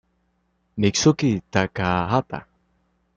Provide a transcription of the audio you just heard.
Mitsuki Takahata